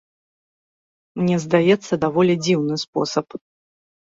Мне здаецца, даволі дзіўны спосаб.